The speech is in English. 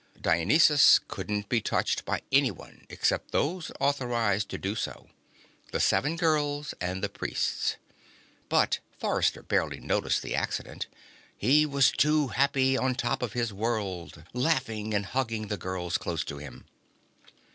Dionysus couldn't be touched by anyone except those authorized to do so the seven girls and the Priests. But Forrester barely noticed the accident; he was too happy on top of his world, laughing and hugging the girls close to him.